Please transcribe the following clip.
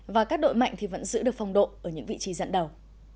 và các đội mạnh vẫn giữ được phong độ ở những vị trí dẫn đầu